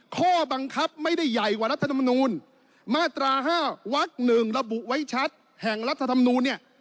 ข้อบังคับไม่ได้ใหญ่กว่ารัฐธรรมนูลมาตรา๕วัก๑ระบุไว้ชัดแห่งรัฐธรรมนูลเนี่ย